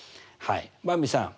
ばんびさん